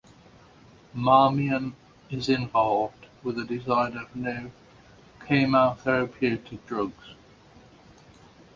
Marmion is involved with the design of new chemotherapeutic drugs.